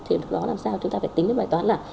thì lúc đó làm sao chúng ta phải tính cái bài toán là